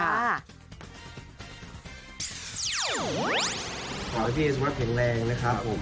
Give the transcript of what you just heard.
ขอบคุณพี่เอสุขภัยแข็งแรงนะครับ